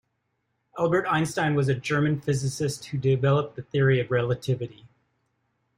Albert Einstein was a German physicist who developed the Theory of Relativity.